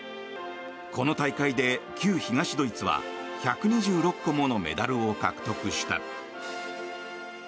この大会で旧東ドイツは１２６個ものメダルを獲得した。